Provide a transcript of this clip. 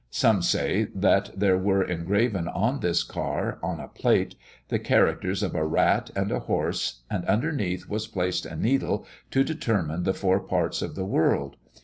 Some say that there were engraven on this car, on a plate, the characters of a rat and a horse, and underneath was placed a needle to determine the four parts of the world.